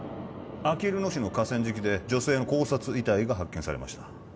あきる野市の河川敷で女性の絞殺遺体が発見されました